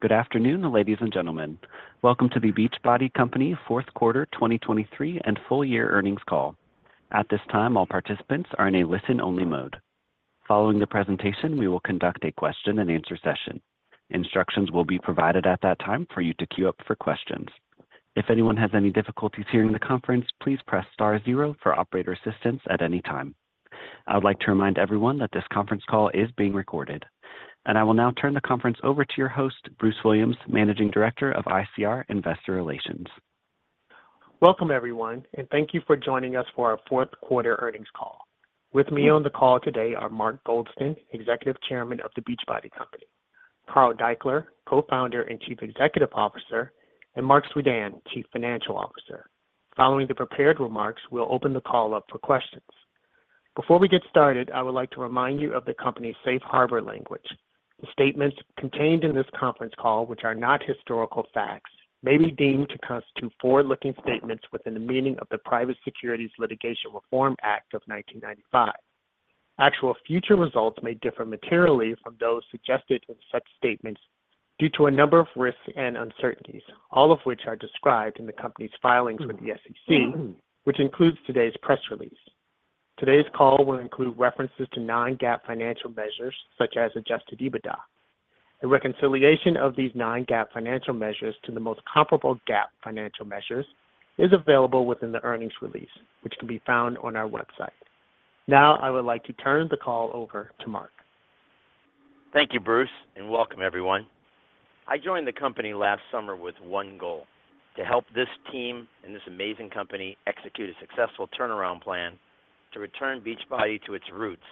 Good afternoon, ladies and gentlemen. Welcome to the Beachbody Company Fourth Quarter 2023 and Full Year Earnings Call. At this time, all participants are in a listen-only mode. Following the presentation, we will conduct a question-and-answer session. Instructions will be provided at that time for you to queue up for questions. If anyone has any difficulties hearing the conference, please press star zero for operator assistance at any time. I would like to remind everyone that this conference call is being recorded. I will now turn the conference over to your host, Bruce Williams, Managing Director of ICR Investor Relations. Welcome, everyone, and thank you for joining us for our fourth quarter earnings call. With me on the call today are Mark Goldston, Executive Chairman of The Beachbody Company, Carl Daikeler, Co-Founder and Chief Executive Officer, and Marc Suidan, Chief Financial Officer. Following the prepared remarks, we'll open the call up for questions. Before we get started, I would like to remind you of the company's safe harbor language. The statements contained in this conference call, which are not historical facts, may be deemed to constitute forward-looking statements within the meaning of the Private Securities Litigation Reform Act of 1995. Actual future results may differ materially from those suggested in such statements due to a number of risks and uncertainties, all of which are described in the company's filings with the SEC, which includes today's press release. Today's call will include references to non-GAAP financial measures, such as Adjusted EBITDA. A reconciliation of these non-GAAP financial measures to the most comparable GAAP financial measures is available within the earnings release, which can be found on our website. Now I would like to turn the call over to Mark. Thank you, Bruce, and welcome, everyone. I joined the company last summer with one goal: to help this team and this amazing company execute a successful turnaround plan to return Beachbody to its roots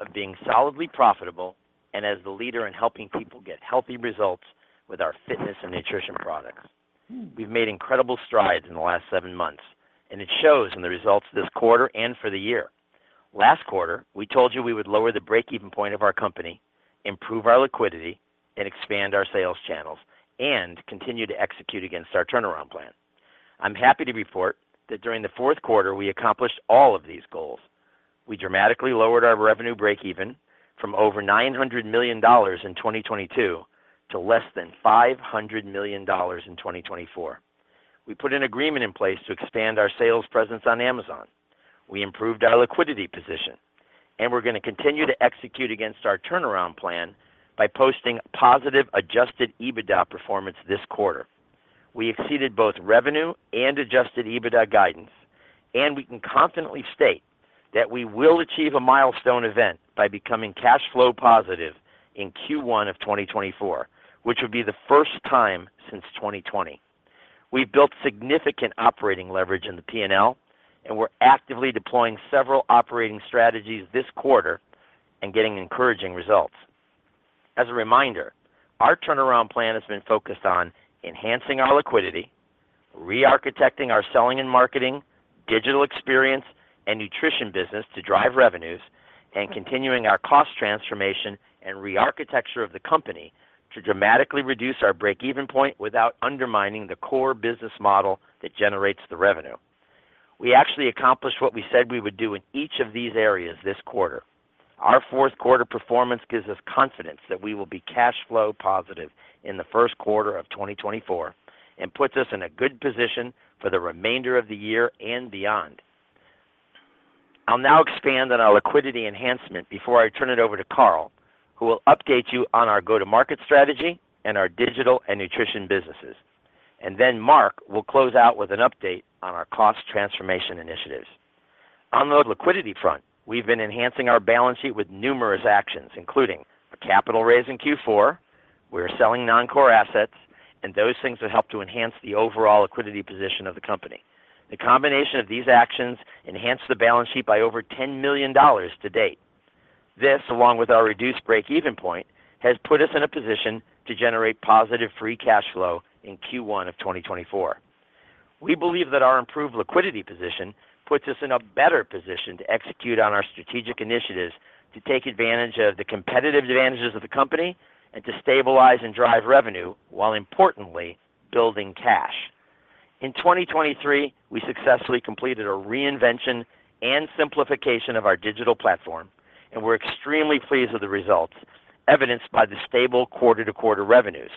of being solidly profitable and as the leader in helping people get healthy results with our fitness and nutrition products. We've made incredible strides in the last seven months, and it shows in the results this quarter and for the year. Last quarter, we told you we would lower the breakeven point of our company, improve our liquidity, and expand our sales channels, and continue to execute against our turnaround plan. I'm happy to report that during the fourth quarter, we accomplished all of these goals. We dramatically lowered our revenue breakeven from over $900 million in 2022 to less than $500 million in 2024. We put an agreement in place to expand our sales presence on Amazon. We improved our liquidity position. We're going to continue to execute against our turnaround plan by posting positive Adjusted EBITDA performance this quarter. We exceeded both revenue and Adjusted EBITDA guidance, and we can confidently state that we will achieve a milestone event by becoming cash flow positive in Q1 of 2024, which would be the first time since 2020. We've built significant operating leverage in the P&L, and we're actively deploying several operating strategies this quarter and getting encouraging results. As a reminder, our turnaround plan has been focused on enhancing our liquidity, re-architecting our selling and marketing, digital experience, and nutrition business to drive revenues, and continuing our cost transformation and re-architecture of the company to dramatically reduce our breakeven point without undermining the core business model that generates the revenue. We actually accomplished what we said we would do in each of these areas this quarter. Our fourth quarter performance gives us confidence that we will be cash flow positive in the first quarter of 2024 and puts us in a good position for the remainder of the year and beyond. I'll now expand on our liquidity enhancement before I turn it over to Carl, who will update you on our go-to-market strategy and our digital and nutrition businesses. And then Marc will close out with an update on our cost transformation initiatives. On the liquidity front, we've been enhancing our balance sheet with numerous actions, including a capital raise in Q4, we're selling non-core assets, and those things have helped to enhance the overall liquidity position of the company. The combination of these actions enhanced the balance sheet by over $10 million to date. This, along with our reduced breakeven point, has put us in a position to generate positive free cash flow in Q1 of 2024. We believe that our improved liquidity position puts us in a better position to execute on our strategic initiatives to take advantage of the competitive advantages of the company and to stabilize and drive revenue while, importantly, building cash. In 2023, we successfully completed a reinvention and simplification of our digital platform, and we're extremely pleased with the results, evidenced by the stable quarter-to-quarter revenues.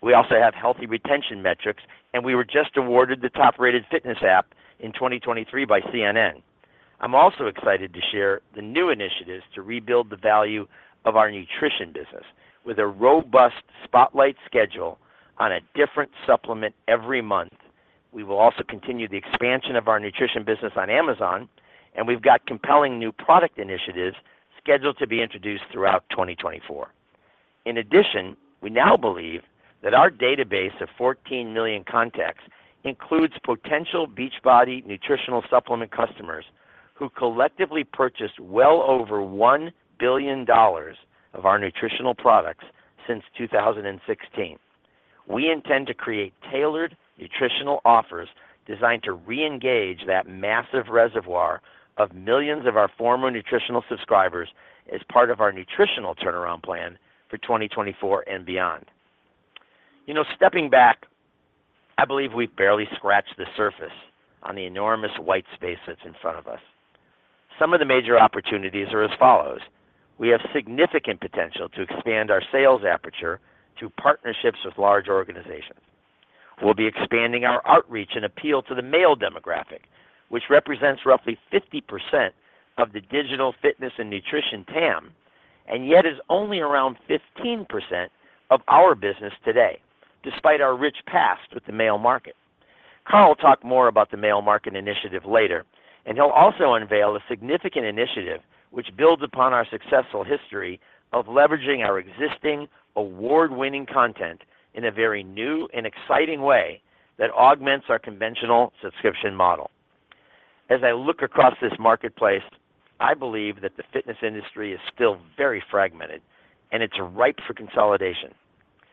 We also have healthy retention metrics, and we were just awarded the top-rated fitness app in 2023 by CNN. I'm also excited to share the new initiatives to rebuild the value of our nutrition business. With a robust spotlight schedule on a different supplement every month, we will also continue the expansion of our nutrition business on Amazon, and we've got compelling new product initiatives scheduled to be introduced throughout 2024. In addition, we now believe that our database of 14 million contacts includes potential Beachbody nutritional supplement customers who collectively purchased well over $1 billion of our nutritional products since 2016. We intend to create tailored nutritional offers designed to re-engage that massive reservoir of millions of our former nutritional subscribers as part of our nutritional turnaround plan for 2024 and beyond. Stepping back, I believe we've barely scratched the surface on the enormous white space that's in front of us. Some of the major opportunities are as follows. We have significant potential to expand our sales aperture to partnerships with large organizations. We'll be expanding our outreach and appeal to the male demographic, which represents roughly 50% of the digital fitness and nutrition TAM, and yet is only around 15% of our business today, despite our rich past with the male market. Carl will talk more about the male market initiative later, and he'll also unveil a significant initiative which builds upon our successful history of leveraging our existing, award-winning content in a very new and exciting way that augments our conventional subscription model. As I look across this marketplace, I believe that the fitness industry is still very fragmented, and it's ripe for consolidation.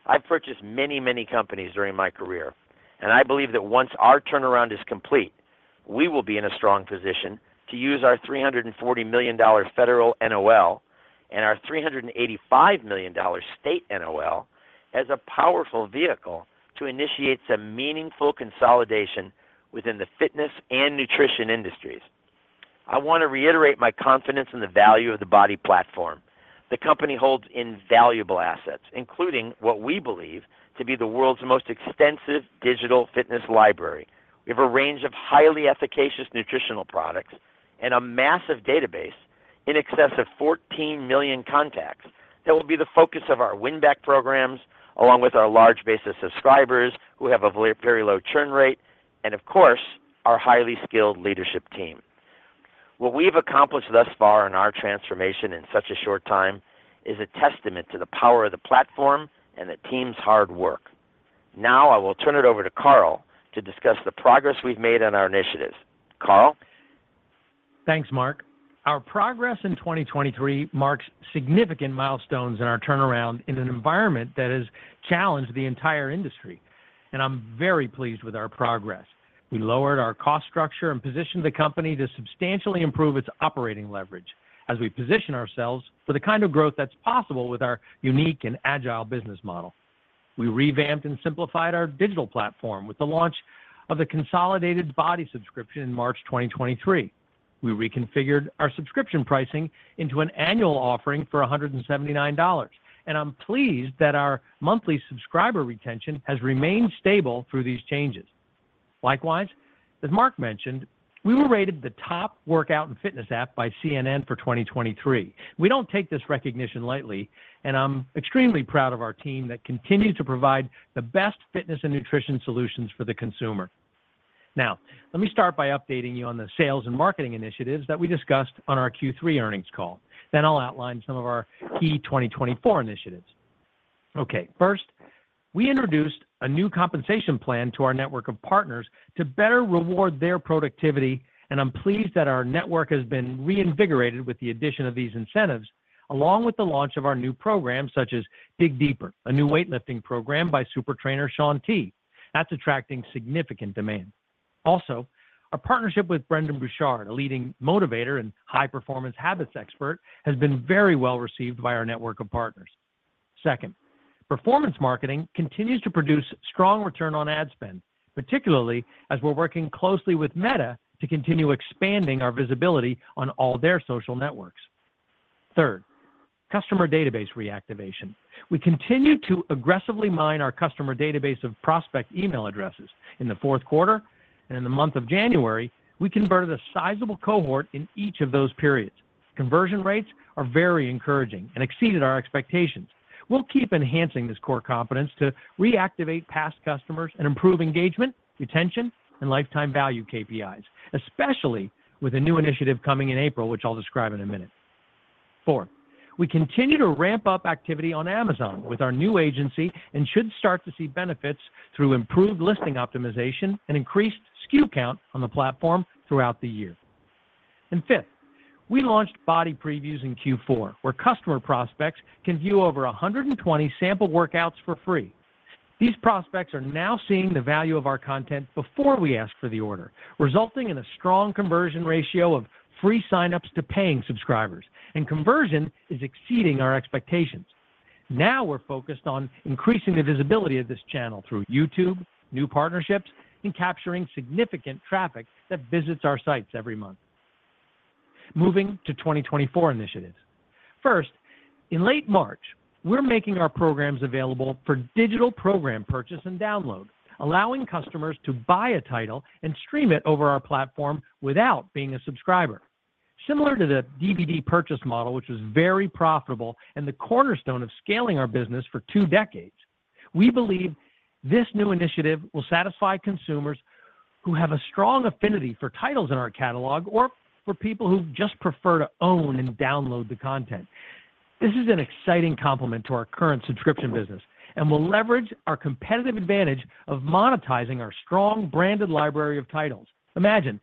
I've purchased many, many companies during my career, and I believe that once our turnaround is complete, we will be in a strong position to use our $340 million federal NOL and our $385 million state NOL as a powerful vehicle to initiate some meaningful consolidation within the fitness and nutrition industries. I want to reiterate my confidence in the value of the BODi platform. The company holds invaluable assets, including what we believe to be the world's most extensive digital fitness library. We have a range of highly efficacious nutritional products and a massive database in excess of 14 million contacts that will be the focus of our win-back programs, along with our large base of subscribers who have a very low churn rate, and, of course, our highly skilled leadership team. What we've accomplished thus far in our transformation in such a short time is a testament to the power of the platform and the team's hard work. Now I will turn it over to Carl to discuss the progress we've made on our initiatives. Carl? Thanks, Mark. Our progress in 2023 marks significant milestones in our turnaround in an environment that has challenged the entire industry, and I'm very pleased with our progress. We lowered our cost structure and positioned the company to substantially improve its operating leverage as we position ourselves for the kind of growth that's possible with our unique and agile business model. We revamped and simplified our digital platform with the launch of the consolidated BODi subscription in March 2023. We reconfigured our subscription pricing into an annual offering for $179, and I'm pleased that our monthly subscriber retention has remained stable through these changes. Likewise, as Mark mentioned, we were rated the top workout and fitness app by CNN for 2023. We don't take this recognition lightly, and I'm extremely proud of our team that continues to provide the best fitness and nutrition solutions for the consumer. Now, let me start by updating you on the sales and marketing initiatives that we discussed on our Q3 earnings call. Then I'll outline some of our key 2024 initiatives. Okay, first, we introduced a new compensation plan to our network of partners to better reward their productivity, and I'm pleased that our network has been reinvigorated with the addition of these incentives, along with the launch of our new program such as Dig Deeper, a new weightlifting program by super trainer Shaun T. That's attracting significant demand. Also, our partnership with Brendon Burchard, a leading motivator and high-performance habits expert, has been very well received by our network of partners. Second, performance marketing continues to produce strong return on ad spend, particularly as we're working closely with Meta to continue expanding our visibility on all their social networks. Third, customer database reactivation. We continue to aggressively mine our customer database of prospect email addresses. In the fourth quarter and in the month of January, we converted a sizable cohort in each of those periods. Conversion rates are very encouraging and exceeded our expectations. We'll keep enhancing this core competence to reactivate past customers and improve engagement, retention, and lifetime value KPIs, especially with a new initiative coming in April, which I'll describe in a minute. Fourth, we continue to ramp up activity on Amazon with our new agency and should start to see benefits through improved listing optimization and increased SKU count on the platform throughout the year. And fifth, we launched BODi Previews in Q4, where customer prospects can view over 120 sample workouts for free. These prospects are now seeing the value of our content before we ask for the order, resulting in a strong conversion ratio of free signups to paying subscribers, and conversion is exceeding our expectations. Now we're focused on increasing the visibility of this channel through YouTube, new partnerships, and capturing significant traffic that visits our sites every month. Moving to 2024 initiatives. First, in late March, we're making our programs available for digital program purchase and download, allowing customers to buy a title and stream it over our platform without being a subscriber. Similar to the DVD purchase model, which was very profitable and the cornerstone of scaling our business for two decades, we believe this new initiative will satisfy consumers who have a strong affinity for titles in our catalog or for people who just prefer to own and download the content. This is an exciting complement to our current subscription business and will leverage our competitive advantage of monetizing our strong branded library of titles. Imagine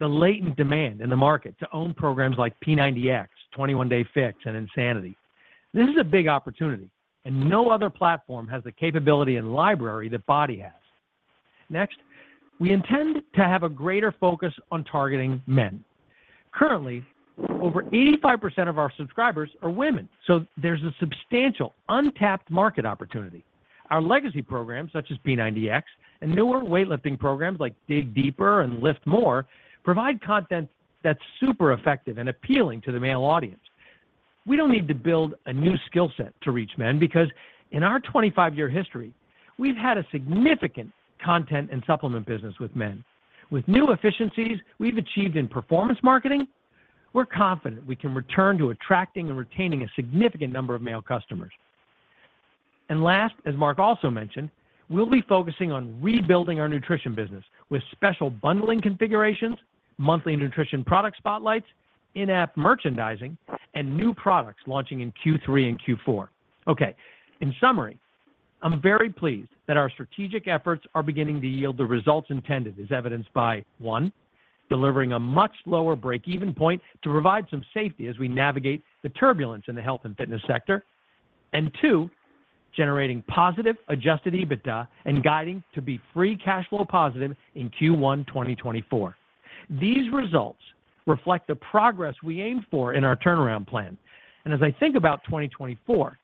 the latent demand in the market to own programs like P90X, 21 Day Fix, and Insanity. This is a big opportunity, and no other platform has the capability and library that BODi has. Next, we intend to have a greater focus on targeting men. Currently, over 85% of our subscribers are women, so there's a substantial untapped market opportunity. Our legacy programs, such as P90X, and newer weightlifting programs like Dig Deeper and LIIFT More, provide content that's super effective and appealing to the male audience. We don't need to build a new skill set to reach men because, in our 25-year history, we've had a significant content and supplement business with men. With new efficiencies, we've achieved in performance marketing. We're confident we can return to attracting and retaining a significant number of male customers. Last, as Mark also mentioned, we'll be focusing on rebuilding our nutrition business with special bundling configurations, monthly nutrition product spotlights, in-app merchandising, and new products launching in Q3 and Q4. Okay, in summary, I'm very pleased that our strategic efforts are beginning to yield the results intended, as evidenced by one, delivering a much lower breakeven point to provide some safety as we navigate the turbulence in the health and fitness sector, and two, generating positive Adjusted EBITDA and guiding to be Free Cash Flow positive in Q1 2024. These results reflect the progress we aim for in our turnaround plan. As I think about 2024,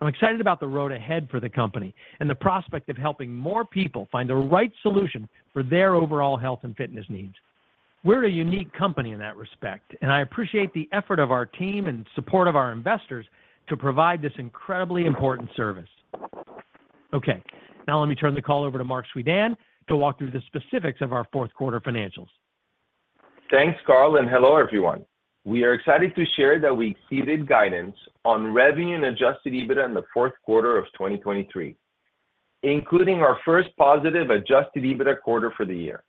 I'm excited about the road ahead for the company and the prospect of helping more people find the right solution for their overall health and fitness needs. We're a unique company in that respect, and I appreciate the effort of our team and support of our investors to provide this incredibly important service. Okay, now let me turn the call over to Marc Suidan to walk through the specifics of our fourth quarter financials. Thanks, Carl, and hello, everyone. We are excited to share that we exceeded guidance on revenue and Adjusted EBITDA in the fourth quarter of 2023, including our first positive Adjusted EBITDA quarter for the year.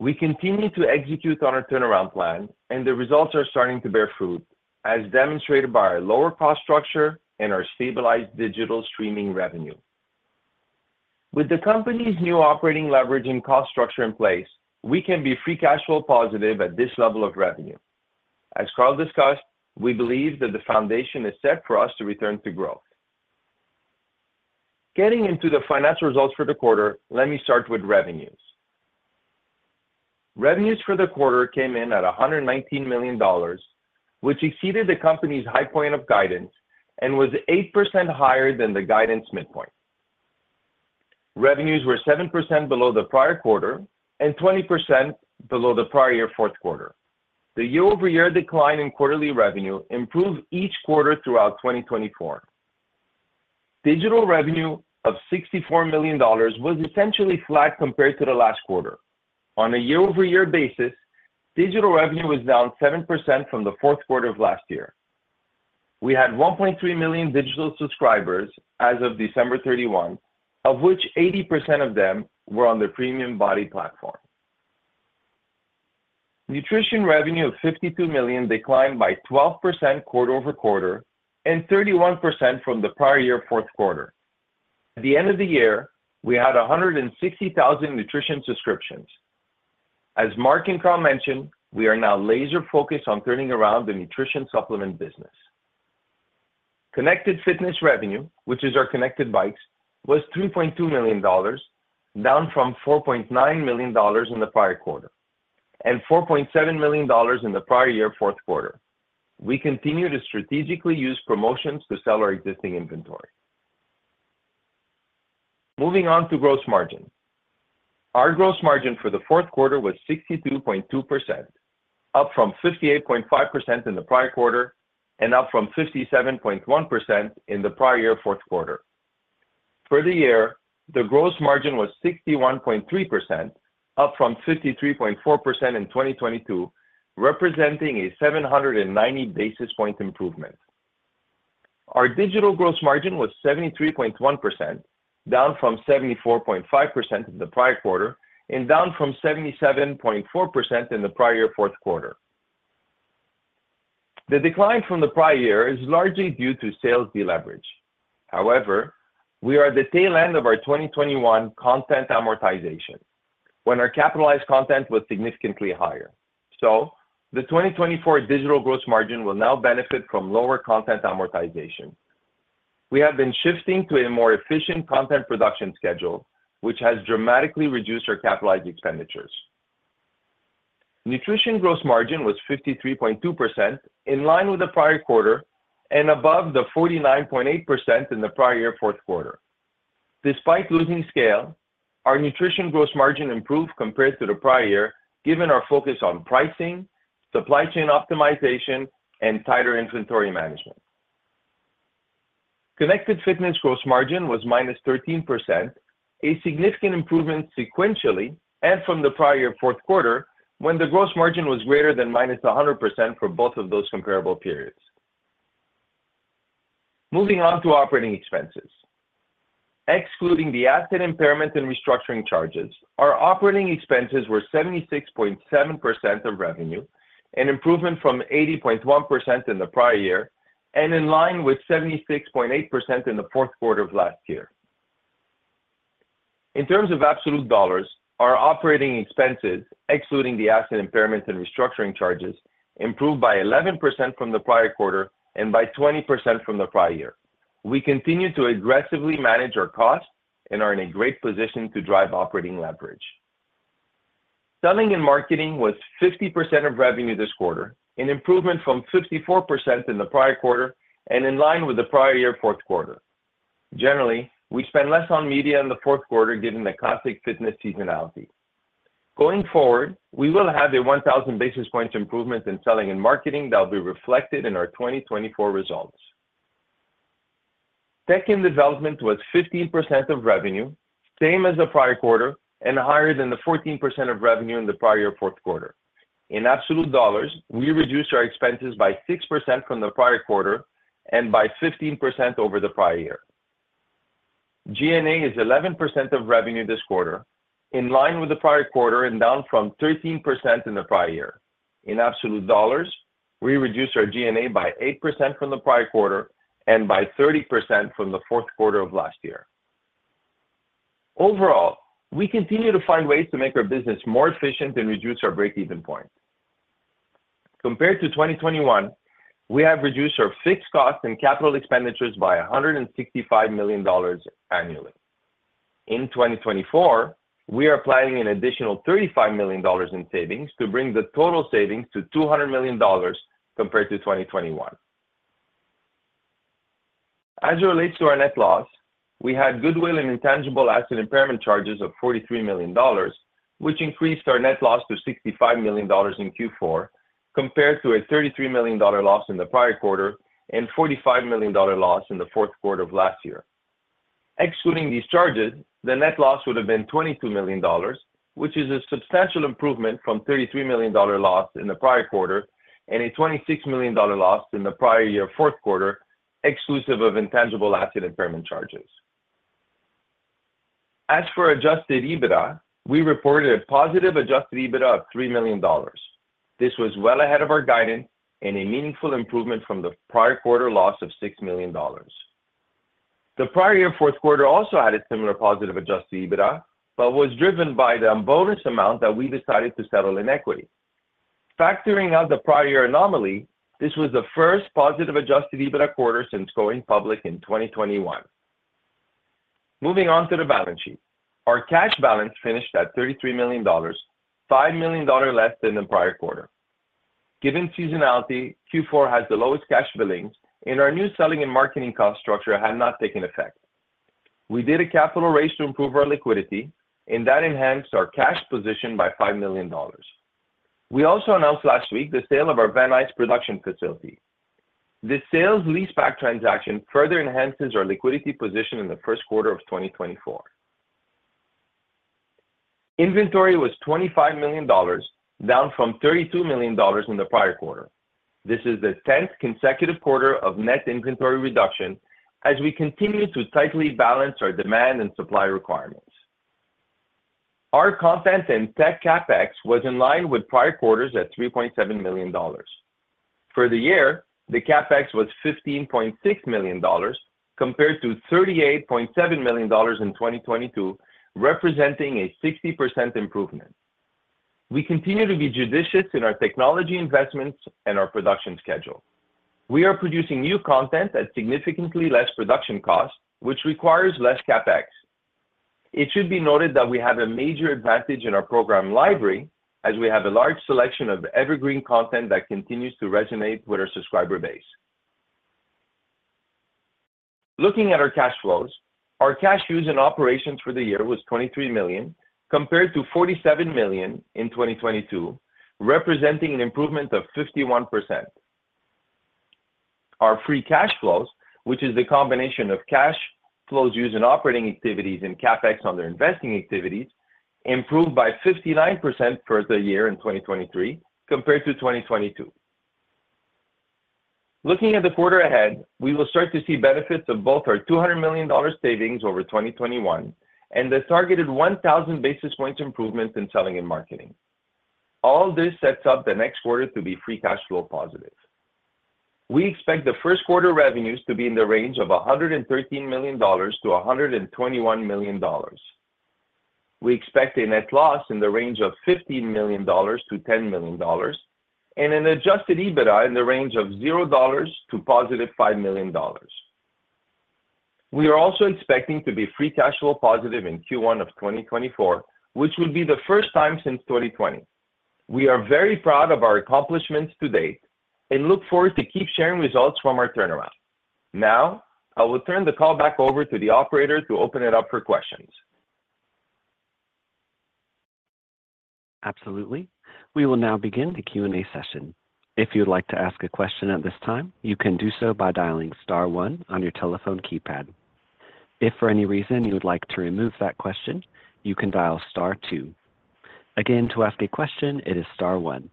We continue to execute on our turnaround plan, and the results are starting to bear fruit, as demonstrated by our lower cost structure and our stabilized digital streaming revenue. With the company's new operating leverage and cost structure in place, we can be Free Cash Flow positive at this level of revenue. As Carl discussed, we believe that the foundation is set for us to return to growth. Getting into the financial results for the quarter, let me start with revenues. Revenues for the quarter came in at $119 million, which exceeded the company's high point of guidance and was 8% higher than the guidance midpoint. Revenues were 7% below the prior quarter and 20% below the prior year fourth quarter. The year-over-year decline in quarterly revenue improved each quarter throughout 2024. Digital revenue of $64 million was essentially flat compared to the last quarter. On a year-over-year basis, digital revenue was down 7% from the fourth quarter of last year. We had 1.3 million digital subscribers as of December 31, of which 80% of them were on the premium BODi platform. Nutrition revenue of $52 million declined by 12% quarter-over-quarter and 31% from the prior year fourth quarter. At the end of the year, we had 160,000 nutrition subscriptions. As Mark and Carl mentioned, we are now laser-focused on turning around the nutrition supplement business. Connected fitness revenue, which is our connected bikes, was $3.2 million, down from $4.9 million in the prior quarter and $4.7 million in the prior year fourth quarter. We continue to strategically use promotions to sell our existing inventory. Moving on to gross margin. Our gross margin for the fourth quarter was 62.2%, up from 58.5% in the prior quarter and up from 57.1% in the prior year fourth quarter. For the year, the gross margin was 61.3%, up from 53.4% in 2022, representing a 790 basis point improvement. Our digital gross margin was 73.1%, down from 74.5% in the prior quarter and down from 77.4% in the prior year fourth quarter. The decline from the prior year is largely due to sales deleverage. However, we are the tail end of our 2021 content amortization, when our capitalized content was significantly higher. So the 2024 digital gross margin will now benefit from lower content amortization. We have been shifting to a more efficient content production schedule, which has dramatically reduced our capitalized expenditures. Nutrition gross margin was 53.2%, in line with the prior quarter and above the 49.8% in the prior year fourth quarter. Despite losing scale, our nutrition gross margin improved compared to the prior year, given our focus on pricing, supply chain optimization, and tighter inventory management. Connected Fitness gross margin was -13%, a significant improvement sequentially and from the prior year fourth quarter, when the gross margin was greater than -100% for both of those comparable periods. Moving on to operating expenses. Excluding the asset impairment and restructuring charges, our operating expenses were 76.7% of revenue, an improvement from 80.1% in the prior year and in line with 76.8% in the fourth quarter of last year. In terms of absolute dollars, our operating expenses, excluding the asset impairment and restructuring charges, improved by 11% from the prior quarter and by 20% from the prior year. We continue to aggressively manage our costs and are in a great position to drive operating leverage. Selling and marketing was 50% of revenue this quarter, an improvement from 54% in the prior quarter and in line with the prior year fourth quarter. Generally, we spend less on media in the fourth quarter, given the classic fitness seasonality. Going forward, we will have a 1,000 basis points improvement in selling and marketing that will be reflected in our 2024 results. Tech and development was 15% of revenue, same as the prior quarter, and higher than the 14% of revenue in the prior year fourth quarter. In absolute dollars, we reduced our expenses by 6% from the prior quarter and by 15% over the prior year. G&A is 11% of revenue this quarter, in line with the prior quarter and down from 13% in the prior year. In absolute dollars, we reduced our G&A by 8% from the prior quarter and by 30% from the fourth quarter of last year. Overall, we continue to find ways to make our business more efficient and reduce our breakeven point. Compared to 2021, we have reduced our fixed costs and capital expenditures by $165 million annually. In 2024, we are planning an additional $35 million in savings to bring the total savings to $200 million compared to 2021. As it relates to our net loss, we had goodwill and intangible asset impairment charges of $43 million, which increased our net loss to $65 million in Q4, compared to a $33 million loss in the prior quarter and $45 million loss in the fourth quarter of last year. Excluding these charges, the net loss would have been $22 million, which is a substantial improvement from $33 million loss in the prior quarter and a $26 million loss in the prior year fourth quarter, exclusive of intangible asset impairment charges. As for Adjusted EBITDA, we reported a positive Adjusted EBITDA of $3 million. This was well ahead of our guidance and a meaningful improvement from the prior quarter loss of $6 million. The prior year fourth quarter also had a similar positive Adjusted EBITDA but was driven by the bonus amount that we decided to settle in equity. Factoring out the prior year anomaly, this was the first positive Adjusted EBITDA quarter since going public in 2021. Moving on to the balance sheet, our cash balance finished at $33 million, $5 million less than the prior quarter. Given seasonality, Q4 has the lowest cash billings, and our new selling and marketing cost structure had not taken effect. We did a capital raise to improve our liquidity, and that enhanced our cash position by $5 million. We also announced last week the sale of our Van Nuys production facility. This sale-leaseback transaction further enhances our liquidity position in the first quarter of 2024. Inventory was $25 million, down from $32 million in the prior quarter. This is the 10th consecutive quarter of net inventory reduction as we continue to tightly balance our demand and supply requirements. Our content and tech CapEx was in line with prior quarters at $3.7 million. For the year, the CapEx was $15.6 million compared to $38.7 million in 2022, representing a 60% improvement. We continue to be judicious in our technology investments and our production schedule. We are producing new content at significantly less production costs, which requires less CapEx. It should be noted that we have a major advantage in our program library, as we have a large selection of evergreen content that continues to resonate with our subscriber base. Looking at our cash flows, our cash use in operations for the year was $23 million compared to $47 million in 2022, representing an improvement of 51%. Our free cash flows, which is the combination of cash flows used in operating activities and CapEx on their investing activities, improved by 59% for the year in 2023 compared to 2022. Looking at the quarter ahead, we will start to see benefits of both our $200 million savings over 2021 and the targeted 1,000 basis points improvement in selling and marketing. All this sets up the next quarter to be free cash flow positive. We expect the first quarter revenues to be in the range of $113 million-$121 million. We expect a net loss in the range of $15 million-$10 million and an adjusted EBITDA in the range of $0 to positive $5 million. We are also expecting to be free cash flow positive in Q1 of 2024, which would be the first time since 2020. We are very proud of our accomplishments to date and look forward to keep sharing results from our turnaround. Now, I will turn the call back over to the operator to open it up for questions. Absolutely. We will now begin the Q&A session. If you would like to ask a question at this time, you can do so by dialing star one on your telephone keypad. If for any reason you would like to remove that question, you can dial star two. Again, to ask a question, it is star one.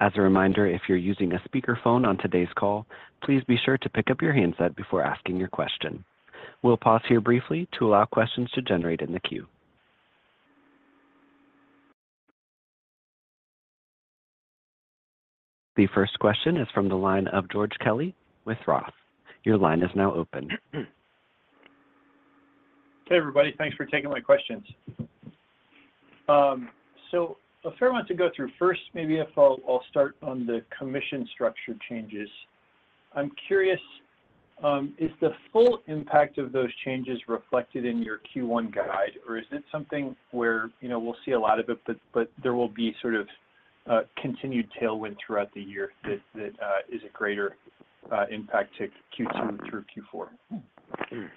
As a reminder, if you're using a speakerphone on today's call, please be sure to pick up your handset before asking your question. We'll pause here briefly to allow questions to generate in the queue. The first question is from the line of George Kelly with ROTH. Your line is now open. Hey, everybody. Thanks for taking my questions. A fair amount to go through. First, maybe if I'll start on the commission structure changes. I'm curious, is the full impact of those changes reflected in your Q1 guide, or is it something where we'll see a lot of it, but there will be sort of continued tailwind throughout the year that is a greater impact to Q2 through Q4?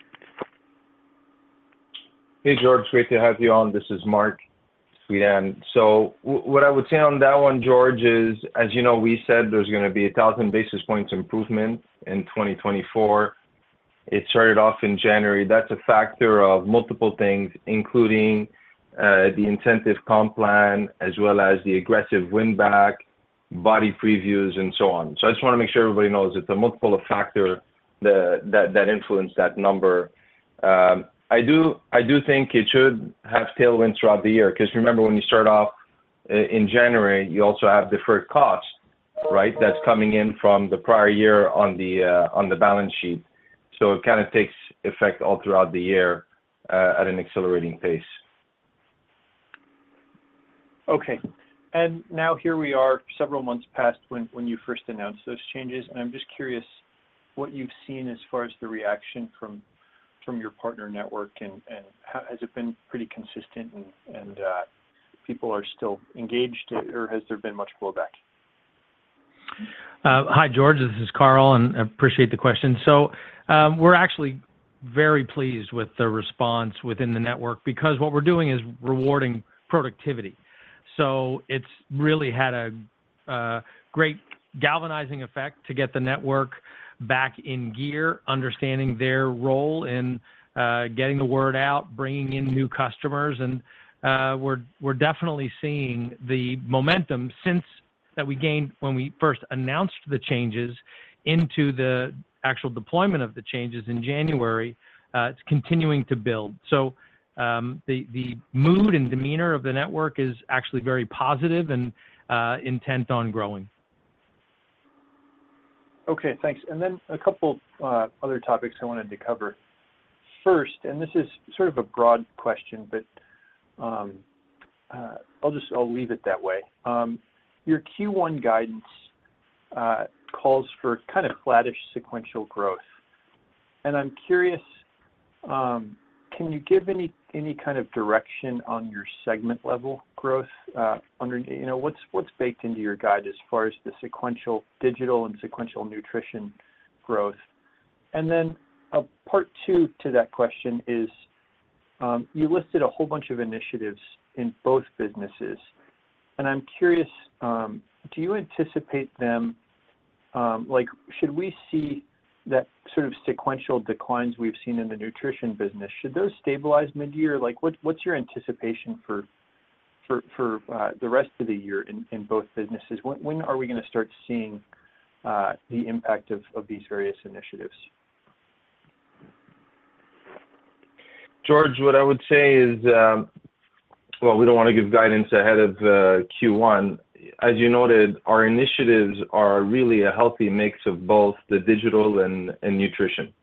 Hey, George. Great to have you on. This is Marc Suidan. So what I would say on that one, George, is, as we said, there's going to be 1,000 basis points improvement in 2024. It started off in January. That's a factor of multiple things, including the incentive comp plan as well as the aggressive win back, BODi Previews, and so on. So I just want to make sure everybody knows it's a multiple factor that influenced that number. I do think it should have tailwind throughout the year because remember, when you start off in January, you also have deferred costs, right, that's coming in from the prior year on the balance sheet. So it kind of takes effect all throughout the year at an accelerating pace. Okay. Now here we are, several months past when you first announced those changes. I'm just curious what you've seen as far as the reaction from your partner network, and has it been pretty consistent and people are still engaged, or has there been much blowback? Hi, George. This is Carl, and I appreciate the question. So we're actually very pleased with the response within the network because what we're doing is rewarding productivity. So it's really had a great galvanizing effect to get the network back in gear, understanding their role in getting the word out, bringing in new customers. And we're definitely seeing the momentum since that we gained when we first announced the changes into the actual deployment of the changes in January. It's continuing to build. So the mood and demeanor of the network is actually very positive and intent on growing. Okay. Thanks. And then a couple other topics I wanted to cover. First, and this is sort of a broad question, but I'll leave it that way. Your Q1 guidance calls for kind of flattish sequential growth. And I'm curious, can you give any kind of direction on your segment-level growth underneath? What's baked into your guide as far as the digital and sequential nutrition growth? And then a part two to that question is, you listed a whole bunch of initiatives in both businesses. And I'm curious, do you anticipate them should we see that sort of sequential declines we've seen in the nutrition business, should those stabilize midyear? What's your anticipation for the rest of the year in both businesses? When are we going to start seeing the impact of these various initiatives? George, what I would say is, well, we don't want to give guidance ahead of Q1. As you noted, our initiatives are really a healthy mix of both the digital and nutrition.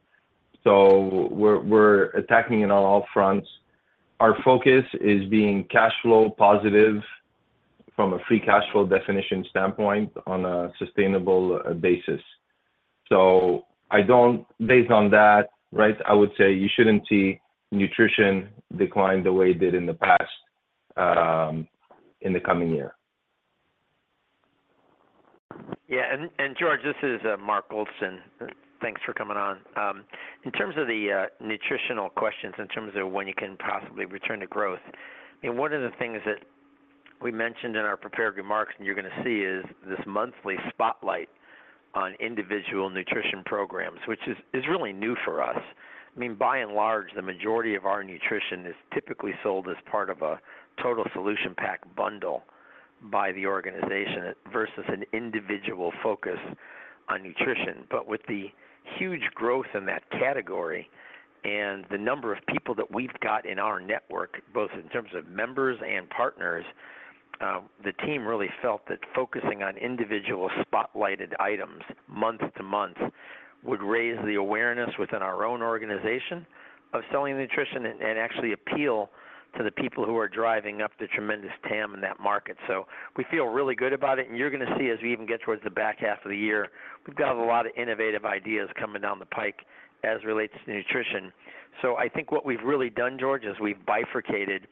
So we're attacking it on all fronts. Our focus is being cash flow positive from a free cash flow definition standpoint on a sustainable basis. So based on that, right, I would say you shouldn't see nutrition decline the way it did in the past in the coming year. Yeah. And George, this is Mark Goldston. Thanks for coming on. In terms of the nutritional questions, in terms of when you can possibly return to growth, I mean, one of the things that we mentioned in our prepared remarks, and you're going to see, is this monthly spotlight on individual nutrition programs, which is really new for us. I mean, by and large, the majority of our nutrition is typically sold as part of a Total Solution Bundle by the organization versus an individual focus on nutrition. But with the huge growth in that category and the number of people that we've got in our network, both in terms of members and partners, the team really felt that focusing on individual spotlighted items month to month would raise the awareness within our own organization of selling nutrition and actually appeal to the people who are driving up the tremendous TAM in that market. So we feel really good about it. And you're going to see as we even get towards the back half of the year, we've got a lot of innovative ideas coming down the pike as relates to nutrition. So I think what we've really done, George, is we've bifurcated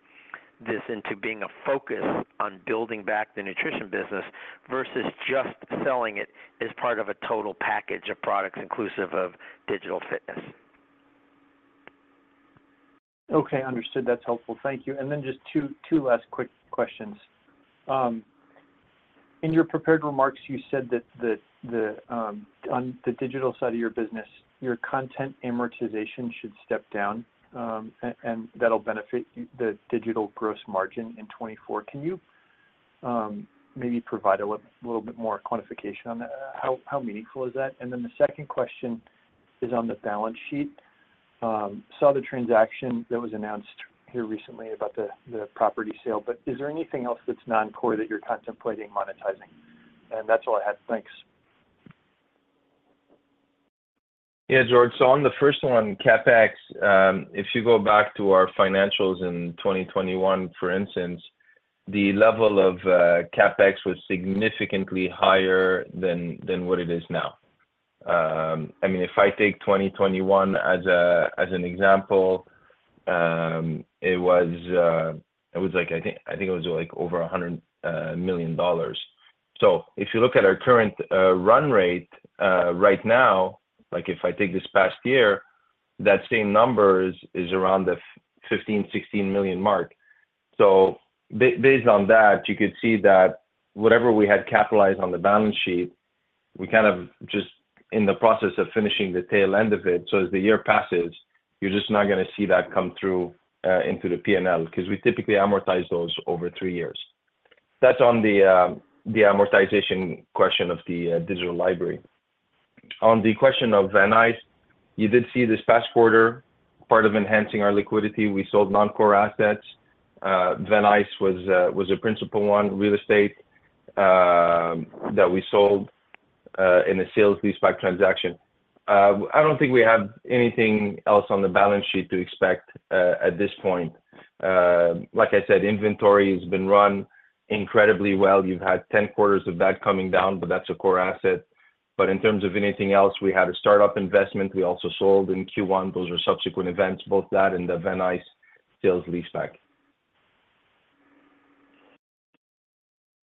this into being a focus on building back the nutrition business versus just selling it as part of a total package of products inclusive of digital fitness. Okay. Understood. That's helpful. Thank you. And then just two last quick questions. In your prepared remarks, you said that on the digital side of your business, your content amortization should step down, and that'll benefit the digital gross margin in 2024. Can you maybe provide a little bit more quantification on that? How meaningful is that? And then the second question is on the balance sheet. Saw the transaction that was announced here recently about the property sale, but is there anything else that's non-core that you're contemplating monetizing? And that's all I had. Thanks. Yeah, George. So on the first one, CapEx, if you go back to our financials in 2021, for instance, the level of CapEx was significantly higher than what it is now. I mean, if I take 2021 as an example, it was like I think it was over $100 million. So if you look at our current run rate right now, if I take this past year, that same number is around the $15-$16 million mark. So based on that, you could see that whatever we had capitalized on the balance sheet, we kind of just in the process of finishing the tail end of it. So as the year passes, you're just not going to see that come through into the P&L because we typically amortize those over three years. That's on the amortization question of the digital library. On the question of Van Nuys, you did see this past quarter part of enhancing our liquidity. We sold non-core assets. Van Nuys was a principal one, real estate, that we sold in a sale-leaseback transaction. I don't think we have anything else on the balance sheet to expect at this point. Like I said, inventory has been run incredibly well. You've had 10 quarters of that coming down, but that's a core asset. But in terms of anything else, we had a startup investment we also sold in Q1. Those are subsequent events, both that and the Van Nuys sale-leaseback.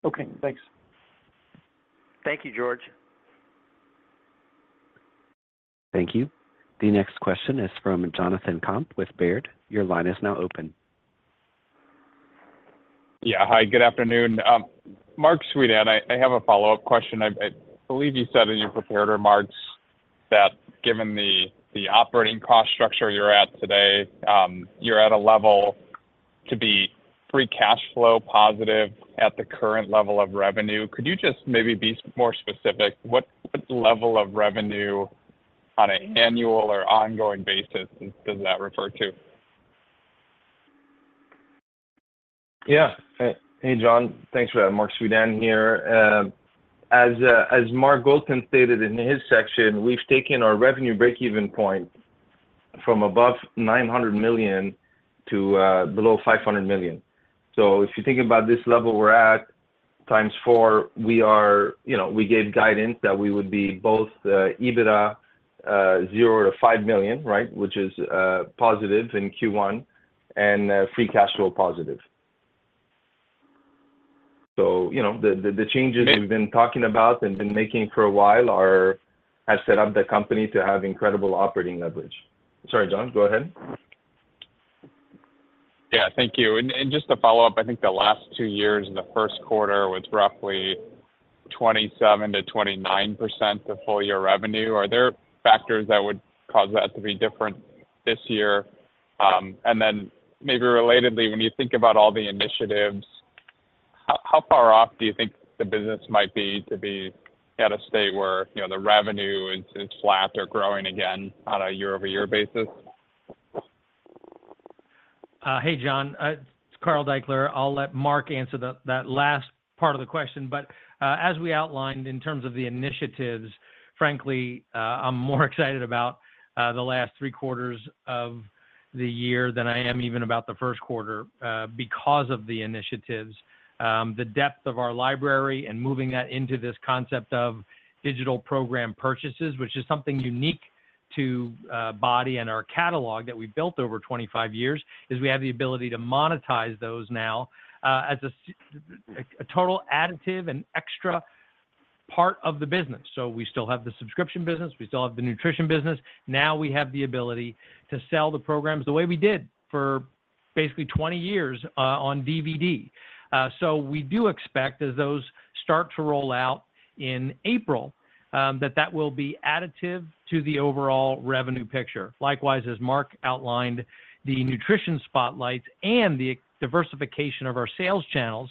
Okay. Thanks. Thank you, George. Thank you. The next question is from Jonathan Komp with Baird. Your line is now open. Yeah. Hi. Good afternoon. Marc Suidan, I have a follow-up question. I believe you said in your prepared remarks that given the operating cost structure you're at today, you're at a level to be free cash flow positive at the current level of revenue. Could you just maybe be more specific? What level of revenue on an annual or ongoing basis does that refer to? Yeah. Hey, John. Thanks for that. Marc Suidan here. As Mark Goldston stated in his section, we've taken our revenue breakeven point from above $900 million to below $500 million. So if you think about this level we're at times four, we gave guidance that we would be both EBITDA $0-$5 million, right, which is positive in Q1, and free cash flow positive. So the changes we've been talking about and been making for a while have set up the company to have incredible operating leverage. Sorry, John. Go ahead. Yeah. Thank you. And just to follow up, I think the last two years in the first quarter was roughly 27%-29% of full-year revenue. Are there factors that would cause that to be different this year? And then maybe relatedly, when you think about all the initiatives, how far off do you think the business might be to be at a state where the revenue is flat or growing again on a year-over-year basis? Hey, John. It's Carl Daikeler. I'll let Mark answer that last part of the question. But as we outlined, in terms of the initiatives, frankly, I'm more excited about the last three quarters of the year than I am even about the first quarter because of the initiatives. The depth of our library and moving that into this concept of digital program purchases, which is something unique to BODi and our catalog that we've built over 25 years, is we have the ability to monetize those now as a total additive and extra part of the business. So we still have the subscription business. We still have the nutrition business. Now we have the ability to sell the programs the way we did for basically 20 years on DVD. So we do expect, as those start to roll out in April, that that will be additive to the overall revenue picture. Likewise, as Mark outlined, the nutrition spotlights and the diversification of our sales channels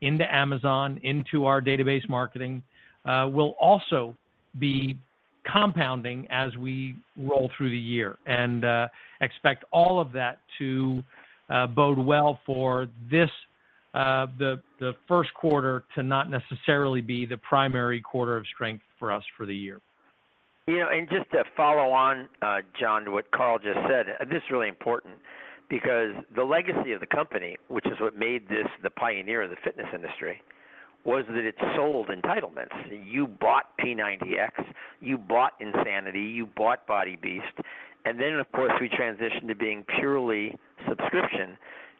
into Amazon, into our database marketing will also be compounding as we roll through the year and expect all of that to bode well for the first quarter to not necessarily be the primary quarter of strength for us for the year. And just to follow on, John, to what Carl just said, this is really important because the legacy of the company, which is what made this the pioneer of the fitness industry, was that it sold entitlements. You bought P90X. You bought Insanity. You bought BODi Beast. And then, of course, we transitioned to being purely subscription.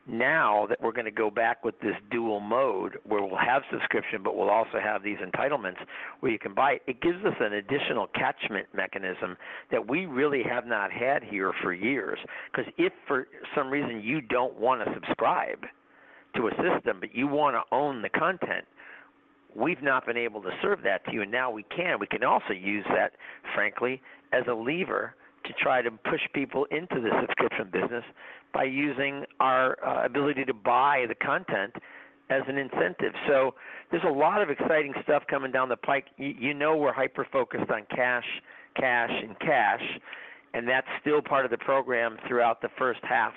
Now that we're going to go back with this dual mode where we'll have subscription, but we'll also have these entitlements where you can buy, it gives us an additional catchment mechanism that we really have not had here for years because if for some reason you don't want to subscribe to a system, but you want to own the content, we've not been able to serve that to you. And now we can. We can also use that, frankly, as a lever to try to push people into the subscription business by using our ability to buy the content as an incentive. So there's a lot of exciting stuff coming down the pike. You know we're hyper-focused on cash, cash, and cash, and that's still part of the program throughout the first half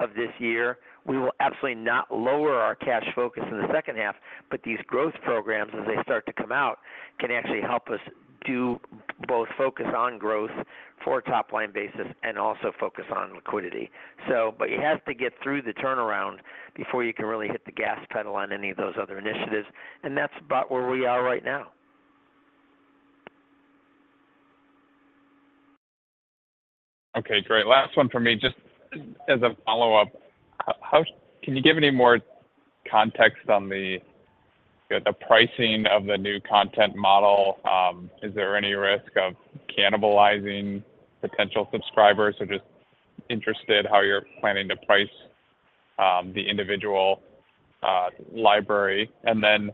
of this year. We will absolutely not lower our cash focus in the second half, but these growth programs, as they start to come out, can actually help us both focus on growth for a top-line basis and also focus on liquidity. But it has to get through the turnaround before you can really hit the gas pedal on any of those other initiatives. And that's about where we are right now. Okay. Great. Last one from me. Just as a follow-up, can you give any more context on the pricing of the new content model? Is there any risk of cannibalizing potential subscribers? We're just interested in how you're planning to price the individual library. And then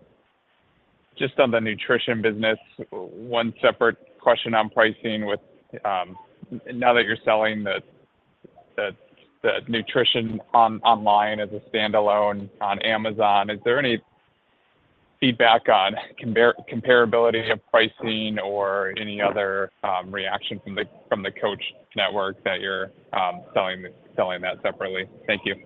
just on the nutrition business, one separate question on pricing. Now that you're selling the nutrition online as a standalone on Amazon, is there any feedback on comparability of pricing or any other reaction from the Coach Network that you're selling that separately? Thank you.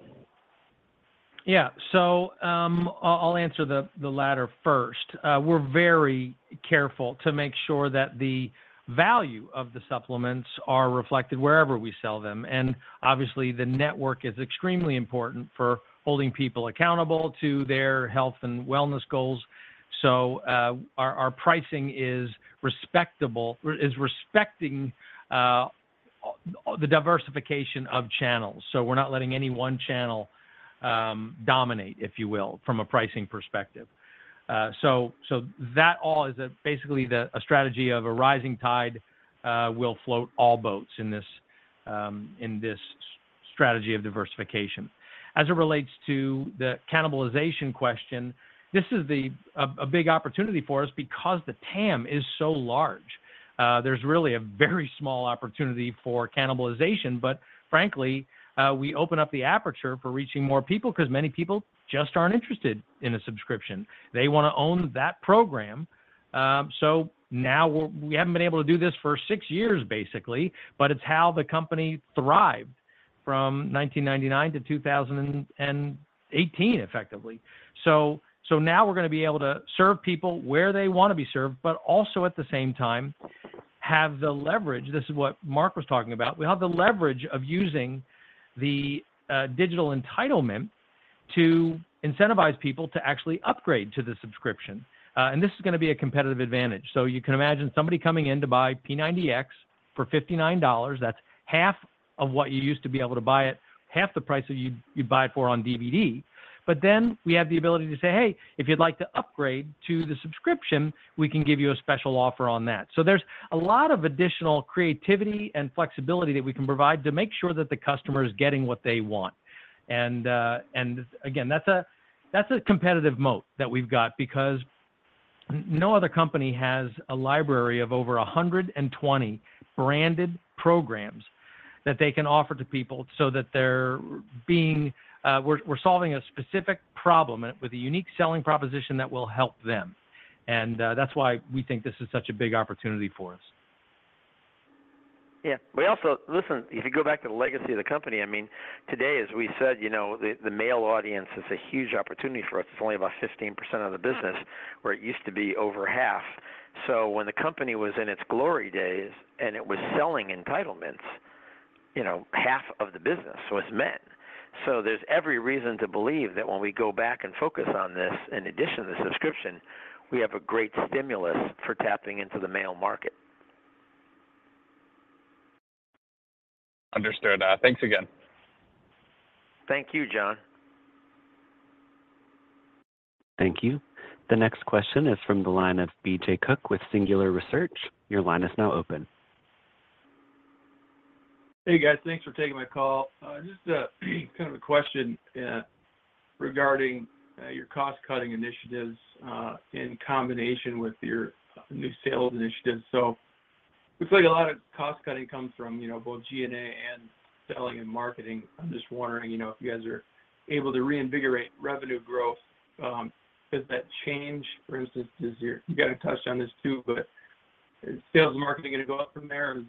Yeah. So I'll answer the latter first. We're very careful to make sure that the value of the supplements are reflected wherever we sell them. And obviously, the network is extremely important for holding people accountable to their health and wellness goals. So our pricing is respecting the diversification of channels. So we're not letting any one channel dominate, if you will, from a pricing perspective. So that all is basically a strategy of a rising tide will float all boats in this strategy of diversification. As it relates to the cannibalization question, this is a big opportunity for us because the TAM is so large. There's really a very small opportunity for cannibalization, but frankly, we open up the aperture for reaching more people because many people just aren't interested in a subscription. They want to own that program. So now we haven't been able to do this for six years, basically, but it's how the company thrived from 1999 to 2018, effectively. So now we're going to be able to serve people where they want to be served, but also at the same time, have the leverage. This is what Mark was talking about. We have the leverage of using the digital entitlement to incentivize people to actually upgrade to the subscription. And this is going to be a competitive advantage. So you can imagine somebody coming in to buy P90X for $59. That's half of what you used to be able to buy it, half the price that you'd buy it for on DVD. But then we have the ability to say, "Hey, if you'd like to upgrade to the subscription, we can give you a special offer on that." So there's a lot of additional creativity and flexibility that we can provide to make sure that the customer is getting what they want. And again, that's a competitive moat that we've got because no other company has a library of over 120 branded programs that they can offer to people so that we're solving a specific problem with a unique selling proposition that will help them. And that's why we think this is such a big opportunity for us. Yeah. Listen, if you go back to the legacy of the company, I mean, today, as we said, the male audience is a huge opportunity for us. It's only about 15% of the business where it used to be over half. So when the company was in its glory days and it was selling entitlements, half of the business was men. So there's every reason to believe that when we go back and focus on this, in addition to the subscription, we have a great stimulus for tapping into the male market. Understood. Thanks again. Thank you, John. Thank you. The next question is from the line of B.J. Cook with Singular Research. Your line is now open. Hey, guys. Thanks for taking my call. Just kind of a question regarding your cost-cutting initiatives in combination with your new sales initiatives. It looks like a lot of cost-cutting comes from both G&A and selling and marketing. I'm just wondering if you guys are able to reinvigorate revenue growth. Does that change, for instance? You kind of touched on this too, but is sales and marketing going to go up from there, or is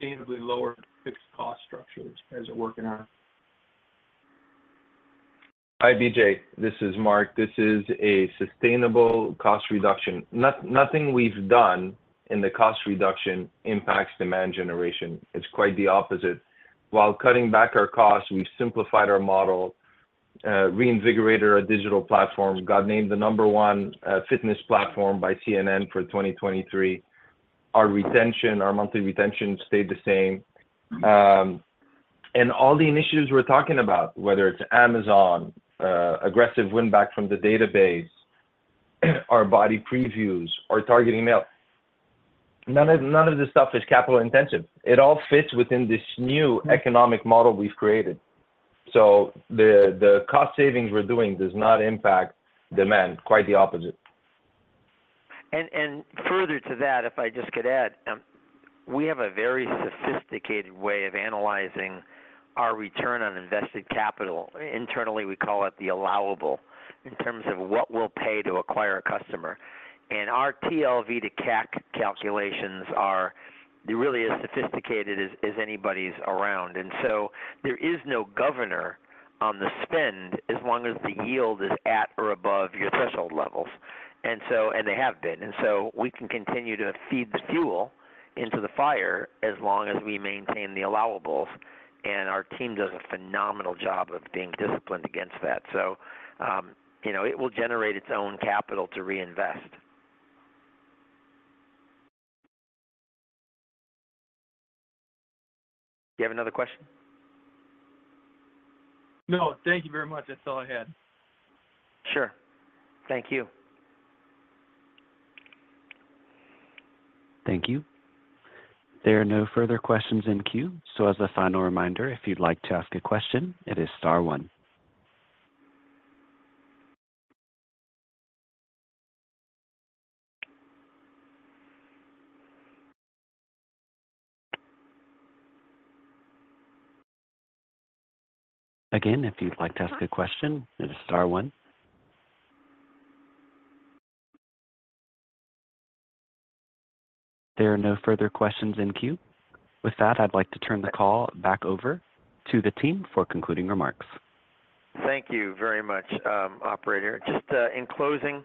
this a sustainably lower fixed cost structure that you guys are working on? Hi, BJ. This is Mark. This is a sustainable cost reduction. Nothing we've done in the cost reduction impacts demand generation. It's quite the opposite. While cutting back our costs, we've simplified our model, reinvigorated our digital platform, got named the number one fitness platform by CNN for 2023. Our monthly retention stayed the same. And all the initiatives we're talking about, whether it's Amazon, aggressive winback from the database, our BODi Previews, our targeting male, none of this stuff is capital-intensive. It all fits within this new economic model we've created. So the cost savings we're doing does not impact demand, quite the opposite. And further to that, if I just could add, we have a very sophisticated way of analyzing our return on invested capital. Internally, we call it the allowable in terms of what we'll pay to acquire a customer. And our LTV to CAC calculations, they're really as sophisticated as anybody's around. And so there is no governor on the spend as long as the yield is at or above your threshold levels. And they have been. And so we can continue to feed the fuel into the fire as long as we maintain the allowables. And our team does a phenomenal job of being disciplined against that. So it will generate its own capital to reinvest. Do you have another question? No. Thank you very much. That's all I had. Sure. Thank you. Thank you. There are no further questions in queue. So as a final reminder, if you'd like to ask a question, it is star one. Again, if you'd like to ask a question, it is star one. There are no further questions in queue. With that, I'd like to turn the call back over to the team for concluding remarks. Thank you very much, operator. Just in closing,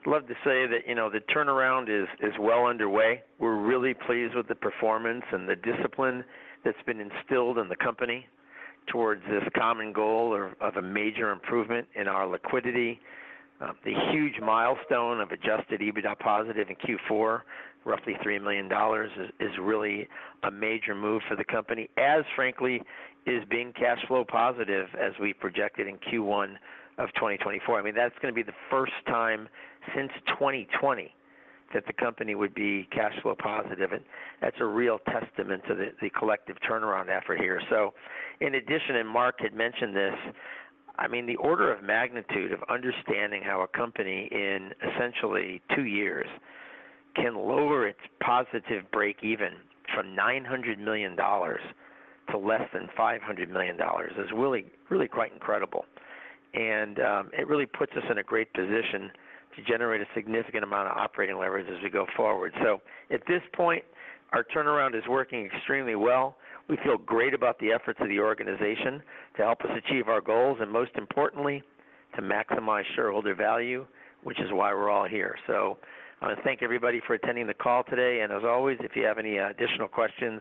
I'd love to say that the turnaround is well underway. We're really pleased with the performance and the discipline that's been instilled in the company towards this common goal of a major improvement in our liquidity. The huge milestone of Adjusted EBITDA positive in Q4, roughly $3 million, is really a major move for the company, as frankly, is being cash flow positive as we projected in Q1 of 2024. I mean, that's going to be the first time since 2020 that the company would be cash flow positive. And that's a real testament to the collective turnaround effort here. So in addition, and Mark had mentioned this, I mean, the order of magnitude of understanding how a company in essentially two years can lower its positive breakeven from $900 million to less than $500 million is really quite incredible. It really puts us in a great position to generate a significant amount of operating leverage as we go forward. At this point, our turnaround is working extremely well. We feel great about the efforts of the organization to help us achieve our goals and, most importantly, to maximize shareholder value, which is why we're all here. I want to thank everybody for attending the call today. As always, if you have any additional questions,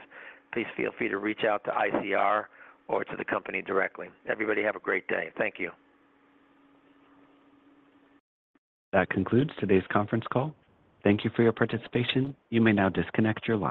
please feel free to reach out to ICR or to the company directly. Everybody have a great day. Thank you. That concludes today's conference call. Thank you for your participation. You may now disconnect your line.